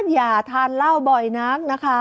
อย่าทานเหล้าบ่อยนักนะคะ